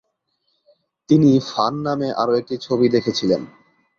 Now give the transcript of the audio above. তিনি "ফান" নামে আরও একটি ছবি দেখেছিলেন।